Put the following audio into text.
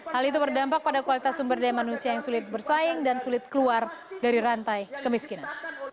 hal itu berdampak pada kualitas sumber daya manusia yang sulit bersaing dan sulit keluar dari rantai kemiskinan